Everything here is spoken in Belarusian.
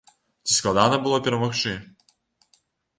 Ці складана было перамагчы?